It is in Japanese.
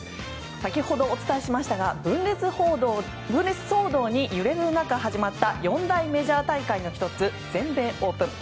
先ほど、お伝えしましたが分裂騒動に揺れる中、始まった四大メジャー大会の１つ全米オープン。